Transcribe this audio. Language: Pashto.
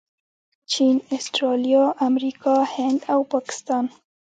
چین، اسټرلیا، امریکا، هند او پاکستان